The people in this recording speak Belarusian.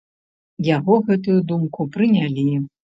Яго гэтую думку прынялі.